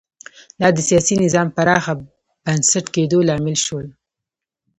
دا د سیاسي نظام پراخ بنسټه کېدو لامل شول